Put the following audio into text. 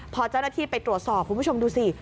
พอเจ้าหน้าที่ไปตรวจสอบคุณผู้ชมดูสิ